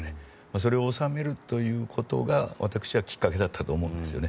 それを収めるということが私はきっかけだったと思うんですよね。